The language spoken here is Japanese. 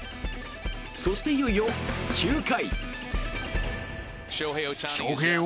そして、いよいよ９回。